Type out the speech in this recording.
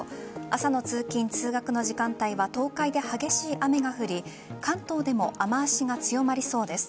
朝の通勤、通学の時間帯は東海で激しい雨が降り関東でも雨脚が強まりそうです。